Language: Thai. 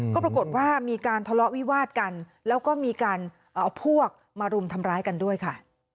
ก็ปรากฏว่ามีการทะเลาะวิวาดกันแล้วก็มีการเอาพวกมารุมทำร้ายกันด้วยค่ะ